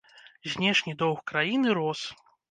Знешні доўг краіны рос.